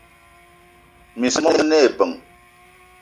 Miss mo mene ebeng.